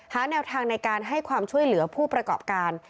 แนวทางในการให้ความช่วยเหลือผู้ประกอบการ